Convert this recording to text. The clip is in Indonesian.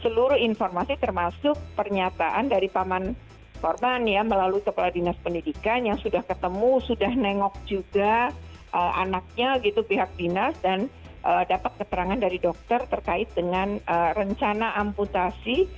seluruh informasi termasuk pernyataan dari paman korban ya melalui kepala dinas pendidikan yang sudah ketemu sudah nengok juga anaknya gitu pihak dinas dan dapat keterangan dari dokter terkait dengan rencana amputasi